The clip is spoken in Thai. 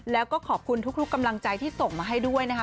แล้วก็ขอบคุณทุกกำลังใจที่ส่งมาให้ด้วยนะคะ